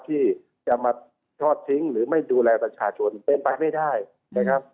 ที่จะมาทอดทิ้งหรือไม่ดูแลประชาชนเป็นไปไม่ได้นะครับ